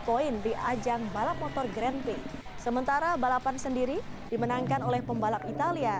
poin di ajang balap motor grand prix sementara balapan sendiri dimenangkan oleh pembalap italia